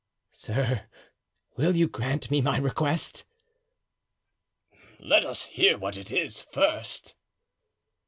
"Sir, will you grant me my request?" "Let us hear what it is, first."